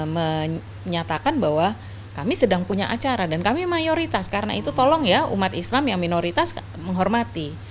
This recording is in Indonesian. menyatakan bahwa kami sedang punya acara dan kami mayoritas karena itu tolong ya umat islam yang minoritas menghormati